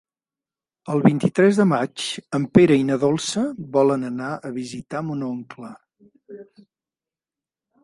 El vint-i-tres de maig en Pere i na Dolça volen anar a visitar mon oncle.